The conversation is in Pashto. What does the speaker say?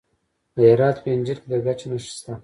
د هرات په انجیل کې د ګچ نښې شته.